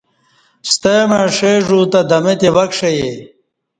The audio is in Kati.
ستمع ݜئی ژ و تہ دمہ تے وَکݜے